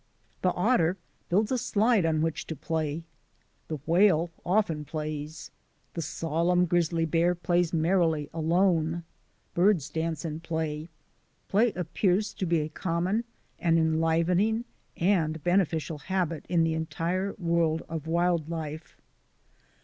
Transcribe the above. The otter builds a slide on which to play; the whale often plays; the solemn grizzly bear plays merrily alone. Birds dance and play. Play ap pears to be a common and enlivening and bene ficial habit in the entire world of wild life.